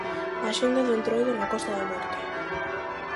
Axenda do Entroido na Costa da Morte.